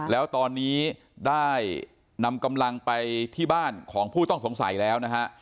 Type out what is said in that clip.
แล้วตอนนี้ได้นำกำลังไปที่บ้านของผู้ต้องสงสัยแล้วนะฮะ